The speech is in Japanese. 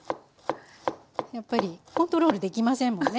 やっぱりコントロール出来ませんもんね